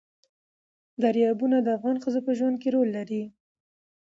دریابونه د افغان ښځو په ژوند کې رول لري.